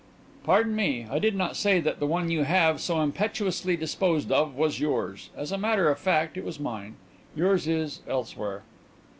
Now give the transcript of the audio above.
"Pardon me, I did not say that the one you have so impetuously disposed of was yours. As a matter of fact, it was mine. Yours is elsewhere."